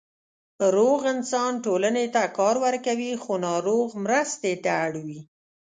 روغ انسان ټولنې ته کار ورکوي، خو ناروغ مرستې ته اړ وي.